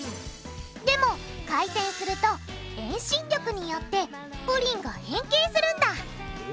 でも回転すると遠心力によってプリンが変形するんだ。